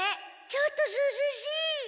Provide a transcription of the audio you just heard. ちょっとすずしい。